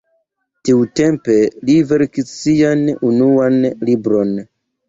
Tiutempe li verkis sian unuan libron.